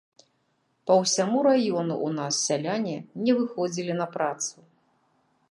Па ўсяму раёну ў нас сяляне не выходзілі на працу.